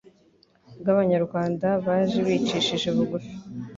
bw'Abanyarwanda baje bicishije bugufi,